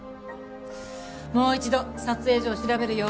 もう一度撮影所を調べるよ。